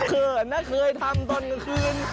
เขินนะเคยทำตอนกลางคืน